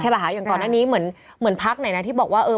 อย่างก่อนหน้านี้เหมือนพักไหนนะที่บอกว่าเออ